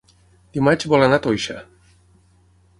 Dimarts vol anar a Toixa.